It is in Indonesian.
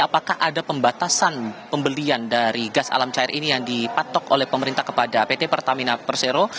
apakah ada pembatasan pembelian dari gas alam cair ini yang dipatok oleh pemerintah kepada pt pertamina persero